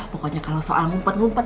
pokoknya kalau soal mumpet ngumpet